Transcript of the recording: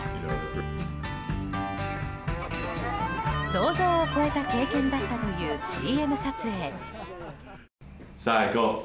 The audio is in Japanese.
想像を超えた経験だったというＣＭ撮影。